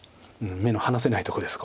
目の離せないとこです